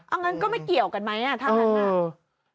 อ้างเน้นก็ไม่เกี่ยวกันไหมอ่ะทั่วครั้งหน้า